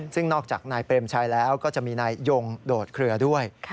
ซึ่งนอกจากนายเปรมชัยแล้วก็จะมีนายยงโดดเคลือด้วย